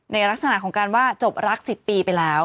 ในลักษณะของการว่าจบรัก๑๐ปีไปแล้ว